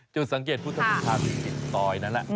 จุดสังเกตพุทธคุณค่ะมีกินตอยนั้นแหละ